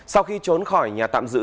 sau khi trốn khỏi nhà tạm giữ